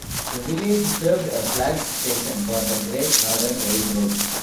The village served a flag station for the Great Northern Railroad.